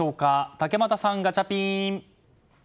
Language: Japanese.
竹俣さん、ガチャピン。